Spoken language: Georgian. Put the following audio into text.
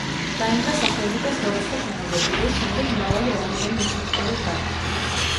დაინგრა სახლები და სხვადასხვა შენობები, რის შემდეგ მრავალი ადამიანი უსახლკაროდ დარჩა.